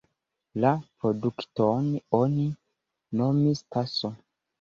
La produkton oni nomis "taso".